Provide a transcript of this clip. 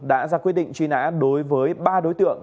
đã ra quyết định truy nã đối với ba đối tượng